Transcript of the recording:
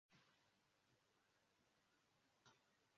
Abagabo babiri bambaye imyenda yo kubaka bicaye basomera hamwe